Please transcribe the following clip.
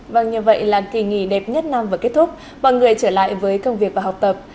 vâng như vậy là kỳ nghỉ đẹp nhất năm vừa kết thúc mọi người trở lại với công việc và học tập